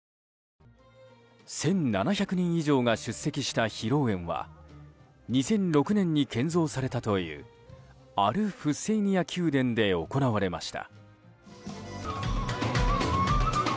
１７００人以上が出席した披露宴は２００６年に建造されたというアル・フッセイニヤ宮殿で行われました。